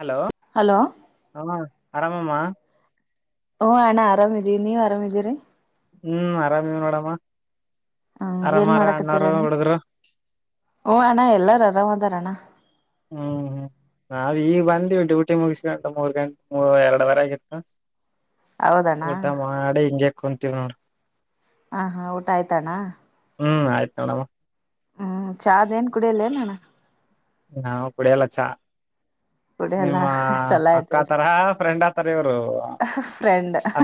Hello hello ಹಾ ಆರಾಮಾಮಾ ಓ ಹಣ್ಣ ಆರಾಮಿದೀವಿ ನೀವ್ ಆರಾಮಿದೀರಿ ಹ್ಮ್ ಆರಾಮೇ ನೋಡಮ್ಮ ಹ್ಮ ಏನ್ ಆರಾಮಾರ ಅಣ್ಣಾರ ಹುಡಿದ್ರು ಹಓ ಅಣ್ಣ ಎಲ್ಲಾರ ಆರಾಮ್ದಾರ ಅಣ್ಣ ಹ್ಮ ಹ್ಮ ನಾವ ಈಗ ಬಂದೀವಿ ಡ್ಯೂಟಿ ಮುಗಿಸ ಗಂಟ ಮೂರ್ ಗಂಟೆ ಮೂ ಎರಡವರೆಗತ್ತು ಹೌದಣ್ಣ ಊಟ ಮಾಡಿ ಹಿಂಜೆ ಕುಂತೀವ್ ನೋಡ ಹಾ ಹಾ ಊಟ ಆಯ್ತಣ್ಣ ಹ್ಮ್ ಆಯ್ತು ಮೇಡಮ್ ಚಾ್ ಏನ್ ಕುಡಿಯಲ್ಲಲ್ಲೋಣ್ಣ ನಾವು ಕುಡಿಯಲ್ಲ ಚಾ ಕುಡಿಯಲ್ಲ ನಿಮ್ಮ ಚಲೋ ಆಯ್ತ ಹೇಳಿ ಅಕ್ಕತರ ಫ್ರೆಂಡ್ ಆತರ ಇವರು ಫ್ರೆಂಡ್ ಅ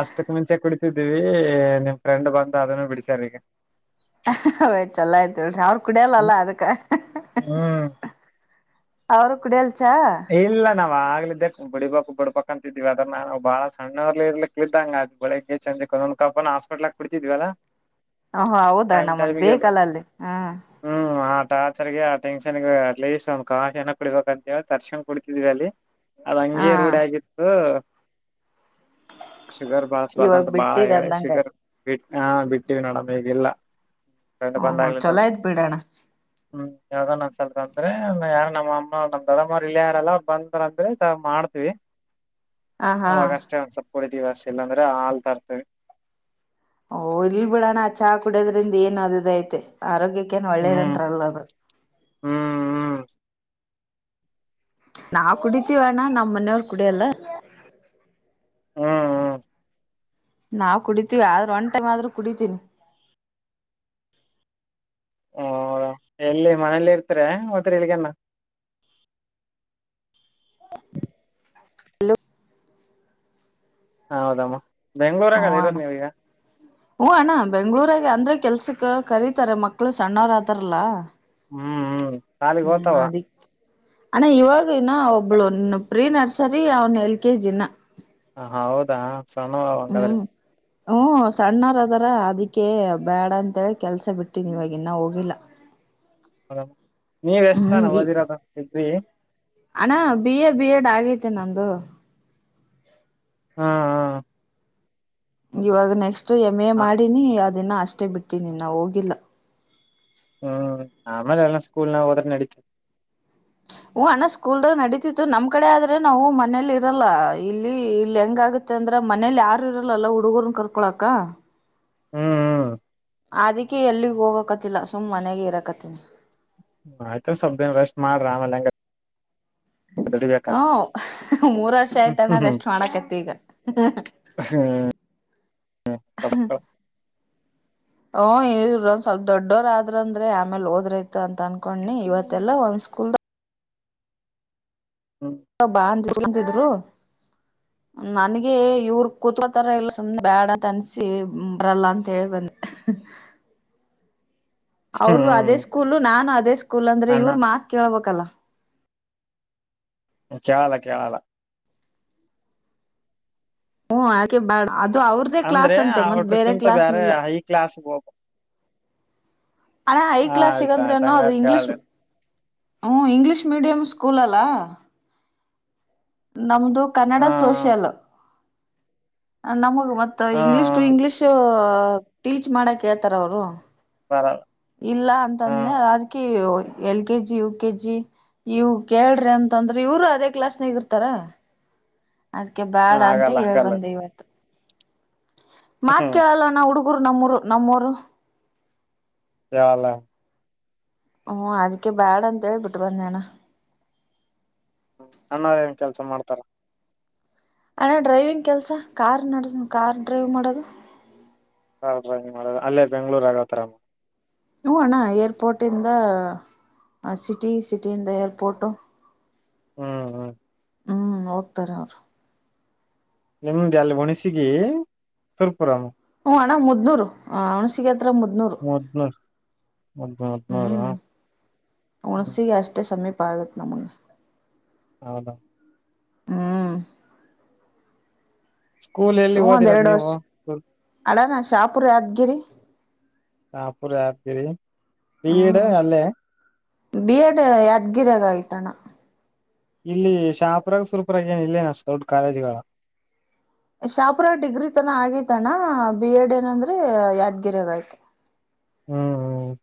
ಅಷ್ಟಕ್ ಮುಂಚೆ ಕುಡಿತಿದ್ದೀವಿ ನಿಮ್ ಫ್ರೆಂಡ್ ಬಂದ ಅದನ್ನು ಬಿಡಿಸ್ಯಾರ ಈಗ ಹ್ ಚೊಲ ಆಯ್ತ ಹೇಳಳ್ರಿ ಅವ್ರ ಕುಡಿಯಲ್ಲಲ್ಲ ಅದಕ್ಕ ಹ್ಮ್ ಅವರು ಕೂಡಲ್ಚ ಇಲ್ಲ ನಾವ್ ಗಗ್ಲಿದ್ದೆ ಬಿಡಿಬಕ್ ಬಿಡ್ಬಕ್ ಅಂತ ಇದಿದಿವವಿ ಅದ್ರ ನಾವು ಬಾಳ ಸಣ್ಣರ್ಲಿ ಇರ್ಲಿಕ್ಕೆ ಇ್ದಂಗ ಅ ಬೆಳಗ್ಗೆ ಚಂದ್ರಕ್ಕೆ ಒಂದ್ ಕಪ್ಪನ ಹಸ್ಪಟ್ಲ್ಕ್ ಕುಡ್ತಿದ್ವಲ್ಲ ಹ ಹ ಹೌದಣ್ಣ ಮದ್ ಬೇಕಲ್ಲ ಅಲ್ಲಿ ಹ್ಮ್ ಹ್ಮ್ ಆ ಟಾರ್ಚರ್ಗೆ ಆ ಟೆನ್ಗ ಅಟ್ ಲೀಸ್ಟ್ ಒಂದ್ ಕಾಶಿಏನ ಕುಡಬೇಕಂತೇವ ತರ್ಶನ್ ಕೊಡ್ತಿದೀವಿ ಅಲ್ಲಿ ಅದ ಹಾ ಹಂಗಗೆ ರೂಢ ಆಗಿತ್ತು ಶುಗರ್ ಬಾ ಇವಾಗ ಸ್ವಾದಂತ ಬಾಳ ಬಿಟ್ಟಿರ ಹೇಳಿ ಅಂದಂಗ ಶುಗರ್ ಬಿಟ್ಟ ಹಾ ಬಿಟ್ಟೀವಿ ನೋಡಮ್ ಈಗಲ್ಲ ಹ್ಮ್ ಹ್ಮ್ ಬಂದಾಗ್ಲ ಚೊಲೋ ಆಯ್ತ್ ಬಿಡೋಣ ಹ್ಮ್ ಯಾವದೋ ಅನ್ಸಲ್ ಅಂದ್ರೆ ಯಾರ ನಮ್ಮ ಅಮ್ಮ ನ ದಡ ಮರ್ ಇಳ ಯಾರಲ್ಲ ಬಂದ್ರಂದ್ರೆ ಮಾಡ್ತವಿ ಹ ಹಾ ಅವಾಗ ಅಷ್ಟೇ ಒಂದ್ ಸ್ವಲ್ಪ ಕುಡಿತೀವಿ ಅಷ್ಟ ಎಲ್ಲಾಂದ್ರೆ ಹಾಲ್ ತರ್ತವಿ ಓಹ್ ಇಲ್ ಬಿಡೋಣ ಚಹಾ ಕುಡ್ಯದ್ರಿಂದ ಏನು ಅದುದು ಐತೆ ಆರೋಗ್ಯಕ್ಕೇನ್ ಹ್ಮ್ ಒಳ್ಳೇದಂಂತತ್ರಲ್ಲ ಅದು ಹ್ಮ್ ಹ್ಮ ನಾ ಕುಡಿತೀವಣ್ಣ ನಮ್ಮ ಮನೆಯವ್ ಕುಡಿಯಲ್ಲ ಹ್ಮ್ ಹ್ಮ ನಾವು ಕುಡಿತೀವಿ ಆದ್ರೂ ಒಂದ ಟೈಮ್ ಆದ್ ಕುಡಿತೀನಿ ಹಓ ಎಲ್ಲಿ ಮನೇಲಿ ಇರ್ತ ಮದ ಇಲ್ಗನ ಹಲೋ [inaudible] ಹ ಹೌದಮ್ಮ ಬೆಂಗ್ಳೂರಾಗ ಇರೋದು ನೀವ ಈಗ ಹ್ಞ ಅಣ್ಣ ಬೆಂಗಗಳೂರಾಗ ಅಂದ್ರೆ ಕೆಲ್ಸಕ್ ಕರೀತಾರೆ ಮಕ್ಳು ಸಣ್ಣವರ ಅಾದಾರಲ್ಲ ಹ್ಮ್ ಹ್ಮ್ ಸಾಲಿಗೆ ಹ್ಮ್ ಹೋತಾವ ಅದಿ ಅಣ್ಣ ಇವಾಗನ ಒಬ್ಳುನ್ ಪ್ರೀ ನರ್ಸರಿ ಅವನ್ ಎಲ್ ಕೆ ಜಿನ ಹ ಹೌದಾ ಸಾನ ಹಾದ್ರ ಹ್ಮ್ ಹ್ಮ ಸಣ್ಣಾರ ಅದಾರ ಅದಕ್ಕೆ ಬ್ಯಾಡ ಅಂತೇಳಿ ಕೆಲ್ಸ ಬಿಟ್ಟಿನ್ವಾಗ ಇನ್ನ ಹೋಗಿಲ್ಲ ಹ ನೀವ್ ಎಷ್ಟ ಹ್ಮ್ ತಾನ ಓದಿರೋದ ಇದ್ರಿ ಅಣ್ಣ ಬಿ ಎ ಬಿ ಎಡ್ ಆಗೈತಿ ನಂದು ಹಾ ಇವಾಗ ನೆಕ್ಸ್ಟ್ ಎಮ್ ಎ ಹ ಮಾಡಿನಿ ಅದಿನ ಅಷ್ಟೇ ಬಿಟ್ಟೀಿನಿ ಇನ್ನ ಹೋಗಿಲ್ಲ ಹ್ಮ್ ಆಮೇಲ್ ಎಲ್ಲ ಸ್ಕೂಲ್ನ್ಯಾಗ ಹೋದ್ರ ನಡೀತೇತಿ ಹೂ ಅಣ್ಣ ಸ್ಕೂಲ್ದಾಗ ನಡೀತಿತ್ತು ನಮ್ ಕಡೆ ಆದ್ರೆ ನಾವು ಮನೇಲಿ ಇರಲ್ಲ ಇಲ್ಲಿ ಇಲ್ಲಿ ಹೆಂಗ ಆಗತ್ತ ಮತ್ತ ಅಂದ್ರ ಮನೇಲಿ ಯಾರು ಇರಲ್ಲ ಹುಡುಗರನ್ ಕರ್ಕೊಳಕ್ಕ. ಹ್ಮ್ ಹ್ಮ ಅದಕ್ಕೆ ಎಲ್ಲಿಗ್ ಹೋಗಕತಿಲ್ಲ ಸುಮ್ಮ್ ಮನೆಗೆ ಇರಾಕತ್ತಿನಿ. ಆಯ್ತಾ ಸ್ವಲ್ಪದಿನ ರಷ್ಟ ಮಾಡ್ರ ಆಮೇಲ್ ಹೆಂಗ್ರ [unintelligible] ಮೂರ್ ವರ್ಷ ಹ್ಮ್ ಆಯ್ತ ಅಣ್ಣ ಹ್ಮ್ ರೆಸ್ಟ್ ಮಾಡಕತ್ತ ಈಗ ಹ್ಮ್ [unintelligible] ಓ ಇವರು ಒಂದ್ ಸ್ವಲ್ಪ ದೊಡ್ಡೋರ ಆದ್ರಂದ್ರೆ ಆಮೇಲೆ ಹೋದ್ರೈತ ಅಂತ ಅನ್ಕೊಂಡಿ ಇವತ್ತಲ್ಲ ಒಂದ ಸ್ಕೂಲ್ದಾಗ [unintelligible] ಬಾ [unintelligible] ಅಂತದ್ರ್ ನನ್ಗೆ ಇವ್ರ ಕುೂತ್ತರ ಇಲ್ಲ ಸುಮ್ನೆ ಬೇಡ ಅಂತ ಅನ್ಸಿ ಬರಲ್ಲ ಅಂತ ಹೇಳಿ ಬಂದ. [unintelligible] ಅವರು ಅದೇ ಹ್ಮ್ ಸ್ಕೂಲ್ ನಾನು ಅದೇ ಸ್ಕೂಲ್ ಅಂದ್ರೆ ಅಣ್ಣ ಇವ್ರ ಮಾತ್ ಕೇಳ್ಬೇಕಲ್ಲ. ಚಾ ಕೇಳಲ್ಲ ಹ್ಮ ಹಾಕೆಗೆ ಬಾಡ ಅದು ಅವ್ರ ಅದೇ ಅಂದ್ರೆ ಕ್ಲಾಸ್ ಅಂತೆ ಮತ್ತ ಬೇರೆ ಅವ್ರಕ್ಕಿಂತ ಕ್ಲಾಸ್ನನಿಲ್ಲ ಹೈ ಕ್ಲಾಸ್ ಹೋಗ ಅಣ್ಣ ಐ ಹಾ ಕ್ಲಾಸ್ ಸಿಕಂದ್ರೆ ಆಯ್ತಾಯ್ತು ಅದು ಹಂಗಾರ ಇಂಗ್ಲೀಷ್ ಕೇಳಲ್ಲ ಹ್ಞೂ ಇಂಗ್ಲೀಷ್ ಮೀಡಿಯ್ ಸ್ಕೂಲ ಅಲ್ಲಾ. ನಮ್ದು ಕನ್ನಡ ಹಾ ಸೋಷಿಯಲ್. ನಮಗ್ ಮತ್ತ ಹಾ ಇಂಗ್ಲೀಷ್ ಹಾ ಟು ಇಂಗ್ಲಿೀಷ್ ಟೀಚ್ ಮಾಡಕ್ ಹೇಳ್ತಾರ ಅವರು ಬರ ಇಲ್ಲ ಅಂತದ್ನ ಅದಕ L K G U K G ಇವು ಕೇಳ್ರಿ ಅಂತಂದ್ರ ಇವರು ಅದೇ ಕ್ಲಾಸ್ನಗ ಇರ್ತಾರ. ಅದ್ಕ್ಕೆ ಹ ಬ್ಯಾಡ್ ಅಂತ ಆಗಲ್ಲ ಆಗಲ್ಲ ಹೇಳೇಳ್ಬಂದೆ ಇವತ್ತ ಮಾತ್ ಹ್ಮ್ ಕೇಳಲ್ಲ ಅಣ್ಣ ಹುಡುಗರು ನಮ್ಮೂರು ನಮ್ಮೂರು ಯಾಅಲ್ಲ ಹ್ಮ್ ಅದಕ್ಕೆ ಬ್ಯಾಡ ಅಂತ ಬಿಟ್ಟ ಬಂದೇನಿ ಅಣ್ಣ ಅಣ್ಣರಾ ಏನ್ ಕೆಲ್ಸ ಮಾಡ್ತಾರ ಅಣ್ಣ ಡ್ರೈವಿಂಗ್ ಕೆಲ್ಸ ಕಾರ್ ನಡಸ ಕಾರ್ ಡ್ರೈವ್ ಮಾಡೋದ ಹಾ ಡ್ರಾವಿಂಗ್ ಮಾಡದೊ ಅಲ್ಲೇ ಬೆಂಗಳೂರು ಆಗತಾರಮ್ಮ ಹು ಅಣ್ಣ ಏರ್ಪೋರ್ಟಿಂದ ಸಿಟಿ ಸಿಟಿಯಿಂದ ಏರ್ಪೋರ್ಟು ಹ್ಮ್ ಹ್ಮ ಹ್ಮ್ ಹೋಗ್ತಾರೆ ಅವ್ರು ನಿಮ್ದ ಅಲ್ಲಿ ಹುಣಸಿಗೆ ಸುರ್ಪುರಮ್ಮ. ಹ್ ಅಣ್ಣ ಮುದ್ನೂರು ಹಣ್ಸಿಗೆ ಹತ್ರ ಮುದ್ನೂರು [unintelligible] ಹೌದ ಹ್ಮ್ ಹುಣಸಿಗೆ ಅಷ್ಟೇ ಸಮೀಪ ಆಗತ್ ನಮ್ಗ್ ಹೌದಾ ಹ್ಮ್. ಸ್ಕೂಲ್ ಎಲ್ಲಿ ಸುಮನ್ ಒಂದ್ ಓದಿರೋದ್ ಎರಡ ನೀವು ವರ್ಷ ಅಡಾ ನಾ ಶಾಪುರ್ ಯಾದ್ಗಿರಿ. ಶಾಪುರ ಯಾದಗಿರಿ ಬಿ ಎಡ್ ಹ್ಮ್ ಅಲ್ಲೇ. ಬಿ ಎಡ್ ಯಾದ್ಗಿರಾಗ ಆಗಿತ ಅಣ್ಣ. ಇಲ್ಲಿ ಶಾಪರರ್ಯಗ ಸುರಪೂರ್ಯಗ ಏನ್ ಇಲ್ಲೇನ್ ಅಷ್ಟ ದೊಡ್ಡ ಕಾಲೇಜ್ಗಳ ಅವ. ಶಾಪುರ ಡಿಗ್ರಿ ತನ ಆಗಿತ ಅಣ್ಣ ಬಿ ಎಡ್ ಏನಂದ್ರೆ ಯಾದ್ಗಿರಿಯಾಗಯ್ತು. ಹ್ಮ್ ಹ್ಮ.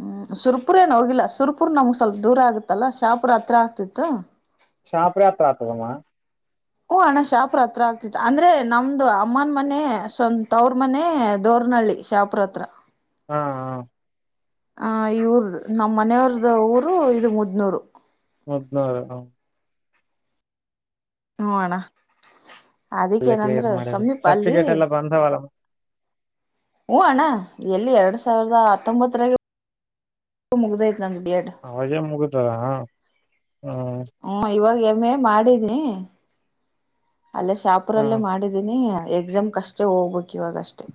ಹ್ಮ್ ಸುರ್ಪುರ ಏ ಹೋಗಿಲ್ಲ ಸುರ್ಪುರ್ ನಮ್ಗ್ ಸ್ವಲ್ಪ ದೂರ ಆಗತ್ತಲ್ಲ ಶಾಪುರ್ ಹತ್ರ ಆಗುತ್ತಿತ್ತ. ಶಪೂರ ರೆ ಹತ್ರ ಅಗ್ಗತದ ಅಮ್ಮ. ಹು ಅಣ್ಣ ಶಪುರ ಹತ್ರ ಅಗತಿತು ಅಂದ್ರೆ ನಮ್ದು ಅಮ್ಮನ ಮನೆ ಸ್ವಂತ ತವರ ಮನೆ ದೋರ್ನಹಳ್ಳಿ. ಶಪುರ ಹತ್ರ. ಹಾ ಹಾ. ಆ ಇವರ್ದ ನಮ್ಮ್ ಮನೆಯವ್ರ್ದ ಊರು ಇದು ಮುದ್ನೂರು. ಮುದ್ನುರ ಹ. ಹೂ ಅಣ್ಣ ಅದಕ್ಕೇ ಎಲ್ಲ ಏನಂದ್ರ ಕ್ಲಿಯರ್ ಮಾಡ್ಯಾರ ಸಮೀಪ ಅಲ್ಲಿ. ಸರ್ಟಿಫಿಕೇಟ್ ಎಲ್ಲ ಬಂದವಲ್ಲ ಹೂ ಅಣ್ಣ ಎಲ್ಲಿ ಎರಡ್ ಸಾವಿರದ ಹತ್ತೊಂಬತ್ತ ರಾಗೆ. ಮುಗದೈತಿ ನನ್ ಬಿ ಎಡ್. ಅವಾಗೇ ಮುಗದ ಆ ಹ್ಮ. ಹ್ಮ ಇವಾಗ ಎಂ ಎ ಮಾಡಿನಿ. ಅಲ್ಲೇ ಹ ಶಾಪುರಲ್ಲೇ ಮಾಡಿದೀನಿ ಎಕ್ಸಾಮ್ ಕ ಅಷ್ಟೇ ಹೋಗ್ಬೇಕು ಇವಾಗ ಅಷ್ಟೇ.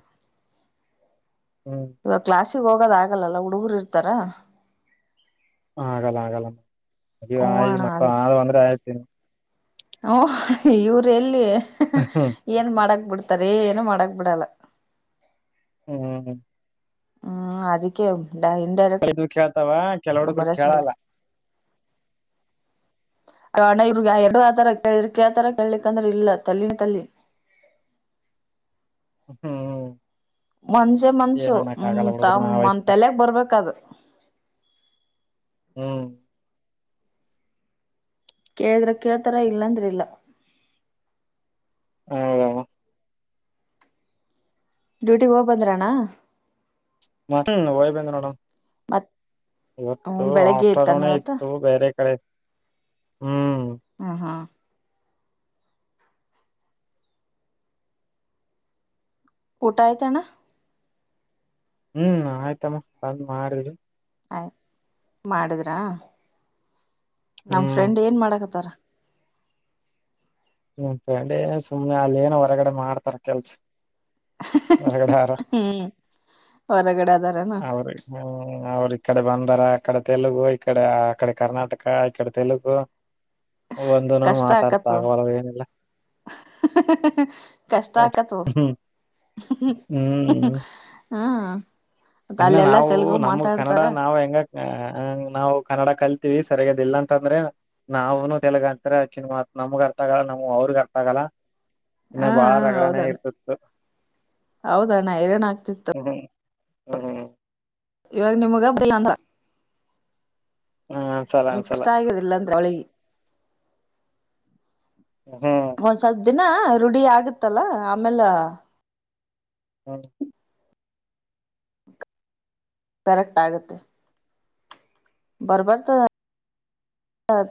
ಹ್ಮ್. ಇವಾಗ ಕ್ಲಾಸಿಗೆ ಹೋಗೋದ ಆಗಲ್ಲ ಹುಡುಗರು ಇರ್ತಾರ. ಆಗಲ್ಲ ಆಗಲ್ಲ ಮದಿವಿ ಹ್ಮ ಆಗಿ ಅಣ್ಣ ಮಕ್ಕಳ ಅದು ಅಂದ್ರೆ ಆಯ್ತ ಇನ್ನ. ಹೂ ಇವ್ರ ಎಲ್ಲಿ ಹ್ಮ್ ಏನ್ ಮಾಡಕ್ ಬಿಡ್ತಾರ ಏನು ಮಾಡಕ್ ಬಿಡಲ್ಲ. ಹ್ಮ್. ಹ್ಮ್ ಅದಕ್ಕೆ ಡಾ ಇಂಡಿರಿಕ್ಟ್ ಇದು ಕೇಳ್ತಾವ ಕೆಲ ಹುಡುಗ್ರು ಬರಸ ಕೇಳಲ್ಲ [unintelligible] [inaudible] ಅಣ್ಣ ಇವ್ರಗ್ ಎರಡು ಆತರ ಕೇಳಿದ್ರೆ ಕೇಳ್ತಾರಾ ಕೇಳಿಕ್ ಅಂದ್ರೆ ಇಲ್ಲ ತೆಲ್ಲಿನ ತೆಲಿ. ಹ್ಮ ಹ್ಮ. ಮನಸೆ ಮನಸು ಹ್ಮ್ಮ್ ಹುಡುಗ್ರು ಆ ತಮ್ಮ ಮನ್ ವಯಸ್ಸಿನಾಗ ತಲೆಗ್ ಬರ್ಬೇಕ ಅದ. ಹ್ಮ್ ಕೇಳಿದ್ರ ಕೆಳತರ ಇಲ್ಲ ಅಂದ್ರ ಇಲ್ಲ. ಹ್ಮ್ಮ್. ಡ್ಯೂಟಿಗ ಹೋಗ್ ಬಂದ್ರಯ ಅಣ್ಣ. [unintelligible] ಹೋಗಿ ಬಂದ ನೋಡವ್ವ. ಮತ್ ಹ್ಮ ಇವತ್ತು ಬೆಳಿಗ್ಗೆ ಇತ್ತಾನ ಅಷ್ಟಾರಣೆ ಇವತ್ತು ಇತ್ತು ಬೇರೆ ಕಡೆ. ಹ್ಮ್. ಹಾ ಹಾ. ಊಟ ಆಯ್ತಾ ಅಣ್ಣ. ಹ್ಮ್ ಆಯ್ತ ಅಮ್ಮ ಬಂದ್ ಮಾಡಿವಿ. ಆಯ್ ಮಾಡಿದ್ರಾ. ನಮ್ ಹ್ಮ್ ಫ್ರೆಂಡ್ ಏನ್ ಮಾಡಾಕತ್ತಾರ. ನಿಮ್ಮ ಫ್ರೆಂಡ್ ಎನ್ ಸುಮ್ಮ್ನೆ ಅಲ್ಲಿ ಏನೋ ಹೊರಗಡೆ ಮಾಡ್ತಾರ ಕೆಲ್ಸ. ಹೊರಗಡೆ ಆರಾಮ್ ಹ್ಮ್ ಹೊರಗಡೆ ಅದರ. ಹೌ್ರೀ ಹ್ಮ ಅವ್ರ ಇಕಡೆ ಬಂದಾರ ಅಕಡೆ ತೆಲುಗು ಇಕಡೆ ಅಕಡೆ ಕರ್ನಾಟಕ ಇಕಡೆ ತೆಲುಗು ಒಂದು ನು ಕಷ್ಟ ಮಾತಾಡ್ ಆಕತ್ತು [unintelligible] ಏನ ಇಲ್ಲಾ. ಕಷ್ಟ ಆಕತು ಹ್ಮ್ ಹ್ಮ್ ಹಾ ಇನ್ನು ನಾವು ನಮ್ ಕನ್ನಡ ನಾವ್ ಹೆಂಗ ಹ ಹ ನಾವು ಕನ್ನಡ ಕಲ್ತಿೀವಿ ಸರಿಯಾದದ ಇಲ್ಲಾಂತಂದ್ರೆ ನಾವ್ನು ತೆಗಂತರಿತ್ ನಮಗ್ ಅರ್ಥ ಆಗಲ್ಲ ನಮ್ ಅವ್ರಗ್ ಅರ್ಥ ಆಗಲ್ಲ ಇನ್ನು ಹಾ ಬಾಳ ರಗಡಾನೆ ಹೌದಣ್ಣ ಇರ್ತಿತ್ತು ಹೌದಣ್ಣ ಹೈರಾಣ ಆಗ್ತಿತ್ತು ಹ್ಮ ಇವಾಗ ನಿಮ್ಗಗ್ ಹಬ್ಬಿಲ್ಲ ಅಂತ ಹ್ಮ್ ಅನ್ಸಲ್ಲ ಹ್ಮ ಅನ್ಸಲ್ಲ ಕಷ್ಟ ಆಗುದಿಲ್ಲ ಅಂದ ಹೊಳಿಗೆ ಹಾ ಒಂದ್ ಸ್ವಲ್ಪ ದಿನ ರೂಢಿ ಆಗತ್ತಲ್ಲ ಆಮೇಲೆ ಹಾ ಕರೆಕ್ಟ್ ಆಗುತ್ತೆ ಬರ್ಬರ್ತ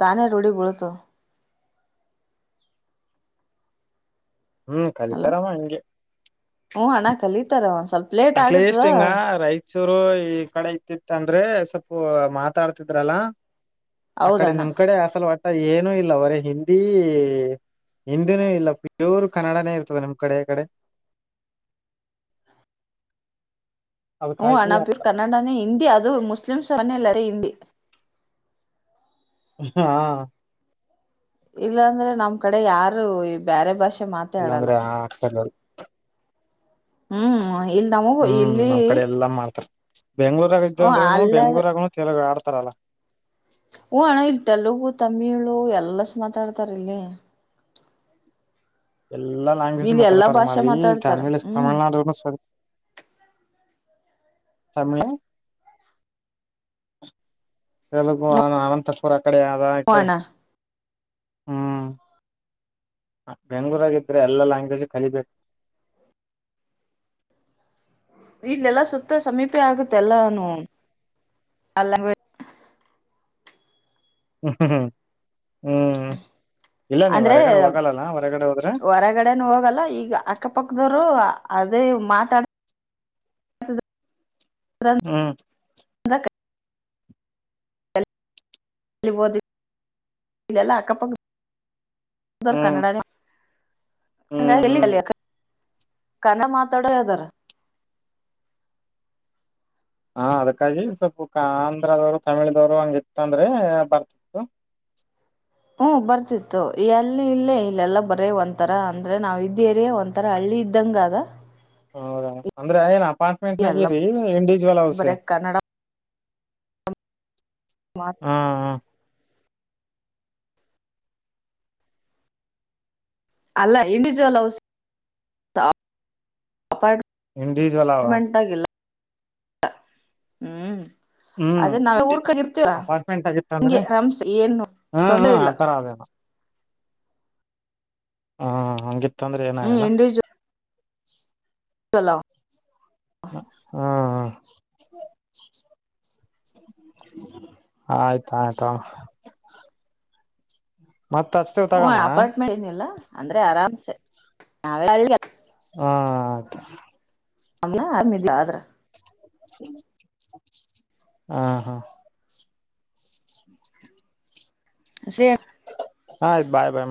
ತಾನೇ ರೂಢಿ ಬಳತು ಹ್ಮ್ ಕಲಿತಾರಮ್ಮ ನಿಂಗೆ ಹಓ ಹಣ ಕಲೀಿತಾರ ಒಂದ ಸ್ವಲ್ಪ ಲೇಟ್ ಆಗತದ ಹಚೂರು ಈ ಕಡೆ ಇತಿಿತ್ತ ಅಂದ್ರೆ ಸ್ವಲ್ಪ ಮಾತಾಡ್ತಿದ್ರಲ್ಲ ಅ ಕಡೆ ಹೌದಣ್ಣ ನಿಮ್ ಕಡೆ ಅಸಲ ಒಟ್ಟ ಏನುೂ ಇಲ್ಲ ಅವರೇ ಹಿಂದಿ ಹಿಂದಿನೂ ಇಲ್ಲ ಪ್ಯೂರ್ ಕನ್ನಡನೇ ಇರ್ತದೆ ನಮ್ ಕಡೆ ಕಡೆ ಹ್ಮ್ ಅದಕ್ಕಾಗಿ ಅಣ್ಣಪರು ಕನ್ನಡಾನೇ ಹಿಂದಿ ಅದು ಮುಸ್ಲಿಮ್ಸ್ಲ್ಲಾರೆ ಹಿಂದಿ ಹಾ ಇಲ್ಲಾಂದ್ರೆ ನಮ್ ಕಡೆ ಯಾರು ಈ ಬೇರೆ ಭಾಷೆ ಮಾತ ಇಲ್ಲಾಂದ್ರೆ ಆ ಆತರು ಹ್ಮ್ ಇಲ್ ನಮಗೂ ಹ್ಮ್ ಇಲ್ಲಿ ನಮ್ಮ್ ಕಡೆ ಎಲ್ಲಾ ಮಾಡ್ತಾರ ಬೆಂಗ್ಳೂರಾಗ ಇದ್ದ ಹ ಅಂದ್ರನು ಅಲ್ಲ ಬೆಂಗ್ೂರಾಗನು ತಿೆಲಗ ಆಡ್ತಾರಲ್ಲಾ ಹಓ ಅಣ್ಣ ಇಲ್ಲಿ ತೆಲುಗು ತಮಿಳು ಎಲ್ಲಸ್ ಮಾತಾಡ್ತಾರ್ ಇಲ್ಲಿ ಎಲ್ಲಾ ಲಲ್ಾಂಗ್ಜ್ ಇಲ್ಲಿ ಎಲ್ಲಾ ಮಾತಾಡ್ತಾರೆ ಭಾಷೆ ಮಿ ಮಾತಾಡ್ತಾರ ತಮಿಳ್ ಹ್ಮ್ ತಮಿಳ್ನಾಡನ ಸರಿ ಸಮಯ ತಲುಗ ಅನ ಅನಂತರ ಪರ ಅಕಡೆ ಯದ ಹೂ ಇಕಡೆ ಅಣ್ಣ ಹ್ಮ್ ಬೆಂಗ್ಗಳೂರಾಗಿದ್ರೆ ಎಲ್ಲಾ ಲ್ಯಾಂಗ್ವೇಜ್ ಕಲಿಬೇಕು ಇಲ್ಲೆಲ್ಲಾ ಸುತ್ತ ಸಮೀಪೆ ಆಗುತ್ತೆ ಎಲ್ಲಾನ ಅಲ್ಲಂಗ ಹ್ಮ್ ಹ್ಮ್ ಹ್ಮ್ ಹ್ಮ್ ಇಲ್ಲ ನೀವ್ ಅಂದ್ರೆ ಹೊರಗಡೆ ಹೋಗಲ್ಲಲ್ಲ ಹೊರಗಡೆ ಹೋದ್ರೆ ಹೊರಗಡೆನು ಹೋಗಲ್ಲ ಈಗ ಅಕ್ಕಪಕ್ಕದವರು ಅದೇ ಮಾತಾಡ ಹ್ಮ ೋ ಇಲ್ಲಲ್ಲ ಅಕ್ಕಪಕ್ಕ ಇರ್ ಹ್ಮ್ ಕನ್ನಡ ಅಂಗ ಹ್ಮ್ ಹ್ಮ್ ಎಲ್ಲಿಲ್ಲಿಯ ಕನ್ನ ಮಾತಾಡೋ ಯ್ದಾರ ಹಾ ಅದಕ್ಕಾಗಿ ಸ್ವಲ್ಪ ಆಂಧ್ರದವ್ರು ತಮಿಳದವ್ರು ಹಂಗಿತ್ತ ಅಂದ್ರೆ ಬರ್ತ ಹ್ಮ ಬರ್ತಿತ್ತು ಎಲ್ಲಿ ಇಲ್ಲೇ ಇಲ್ಲೆಲ್ಲಾ ಬರೇ ಒಂಂತರ ಅಂದ್ರೆ ನಾವ್ ಇದೇರಿಯ ಒ ಆಥರ ಹಳ್ಳಿ ಇದ್ದಂ ಕದಾ ಹೌದಾ ಅಂದ್ರೆ ಏನ್ ಅಪಾರಂ್ಟ್ಟ್ ಎಲ್ಲ ನಗಿರಿ ಇಂಡಿವಿಜುವಲ್ ಹೌಸ ಬರೇ ಕನ್ನಡ ಮ ಹಾ ಹಾ ಅಲ್ಲ ಇಂಡಿವಜುವಲ್ ಹೌ ಇಂಡಿವಿಜುವಲ್ ಅವ ಅಪಾರ್ಟ್ಮೆಂಟ್ ಆಾಗಿಲ್ಲ ಹ್ಮ್ ಹ್ಮ್ ಊರ್ ಕಡೆ ಇರ್ತೀವ ಅಪಾರ್ಟ್ಮೆಂಟ್ ಆಗಿತ್ತ ಅಂದ್ರೆ ಹಂಗೆ ರಮ್ಸ್ ಏನು ಹ್ಮ್ ತೊಂದ್ರೆ ಹ್ಮ್ ಇಲ್ಲ ಆಥರ ಅದೇನ ಹಾ ಹಂಗಿತ್ತ ಅಂದ್ರೆ ಹ್ಮ್ ಏನಾಗಲ್ಲ ಚಲ ಹಾ ಹಾ ಆಯ್ತ ಆಯ್ತು ಮತ್ತಚ್ತೆ ಹ್ ಅಪಾರ್ಟ್ಮೆಂಟ್ ಏನಿಲ್ಲ ಅಂದ್ರೆ ಆರಾಮ್ಸೆ ನಾವೇ ಹ ಆಯ್ತು ಆಮ್ ಆರ್ಮಿದ ಆದ್ರ ಹಾ ಹಾ ಸೇ ಹಯ್ತು ಬಾಯ್ ಬಾಯ